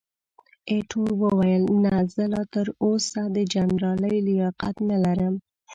ایټور وویل، نه، زه لا تراوسه د جنرالۍ لیاقت نه لرم.